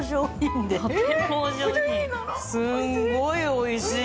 すんごいおいしい。